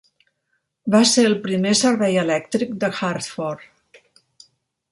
Va ser el primer servei elèctric de Hartford.